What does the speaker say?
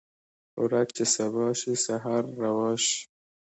ورځ چې سبا شي سحر روا شي